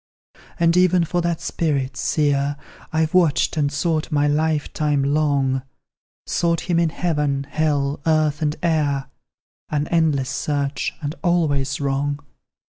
"And even for that spirit, seer, I've watched and sought my life time long; Sought him in heaven, hell, earth, and air, An endless search, and always wrong.